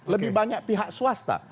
lebih banyak pihak swasta